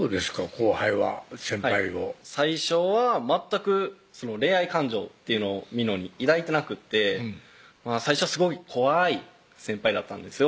後輩は先輩を最初は全く恋愛感情っていうのをみーのに抱いてなくって最初すごい怖い先輩だったんですよ